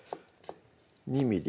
２ｍｍ？